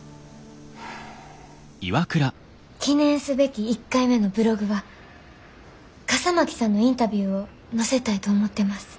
記念すべき１回目のブログは笠巻さんのインタビューを載せたいと思ってます。